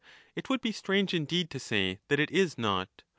It would be strange indeed to say that it is not.